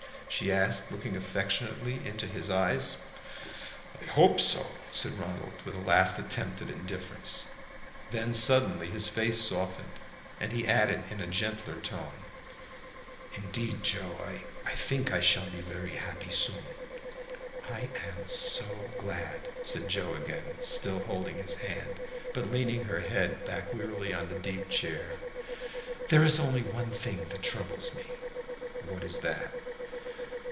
she asked, looking affectionately into his eyes. "I hope so," said Ronald, with a last attempt at indifference. Then suddenly his face softened, and he added in a gentler tone, "Indeed, Joe, I think I shall be very happy soon." "I am so glad," said Joe again, still holding his hand, but leaning her head back wearily in the deep chair. "There is only one thing that troubles me." "What is that?"